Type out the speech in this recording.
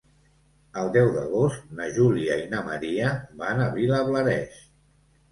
El deu d'agost na Júlia i na Maria van a Vilablareix.